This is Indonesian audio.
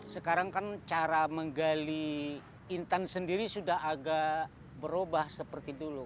sekarang kan cara menggali intan sendiri sudah agak berubah seperti dulu